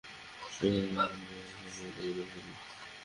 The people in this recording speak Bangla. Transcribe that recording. সে সাধারণ লোকদেরকেও প্রবেশের অনুমতি প্রদান করল।